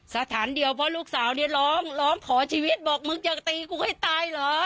สถานเดียวเพราะลูกสาวเนี่ยร้องร้องขอชีวิตบอกมึงจะตีกูให้ตายเหรอ